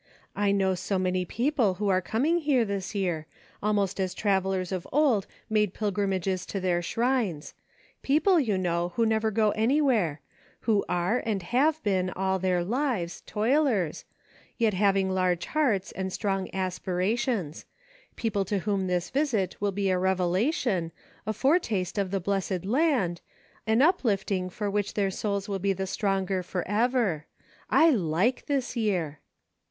I know so many people who are coming here this year, almost as travellers of old made pilgrimages to their shrines : people, you know, who never go anywhere ; who are and have been all their lives, toilers, yet having large hearts and strong aspirations ; people to whom this visit will be a revelation, a foretaste of the blessed land, an uplifting for which their souls will be the stronger forever: I /ike this year."